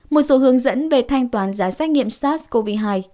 một số hướng dẫn về thanh toán giá xét nghiệm sars cov hai